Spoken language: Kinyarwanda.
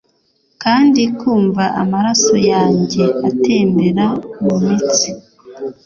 kandi kumva amaraso yanjye atembera mumitsi